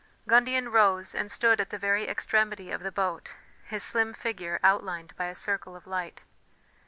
Gundian rose and stood at the very extremity of the boat, his slim figure outlined by a circle of light.